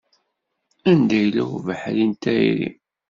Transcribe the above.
Anda yella ubeḥri n tayri.